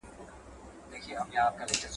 کېدای شي زه سبا درس ولولم!!